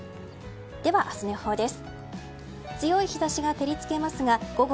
では明日の予報です。